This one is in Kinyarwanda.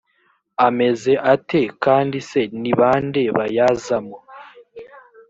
ameze ate kandi se ni ba nde bayazamo